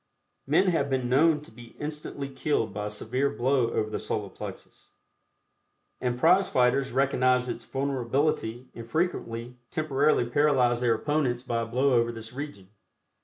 Men have been known to be instantly killed by a severe blow over the Solar Plexus, and prize fighters recognize its vulnerability and frequently temporarily paralyze their opponents by a blow over this region.